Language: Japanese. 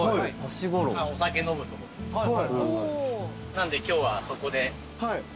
なんで今日はそこで。